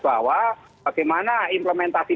bahwa bagaimana implementasi